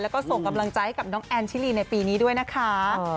แล้วก็ส่งกำลังใจให้กับน้องแอนชิลีในปีนี้ด้วยนะคะ